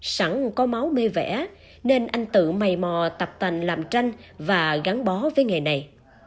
sẵn có máu mê vẽ nên anh tự mầy mò tập tành làm tranh và gắn bó với nghề này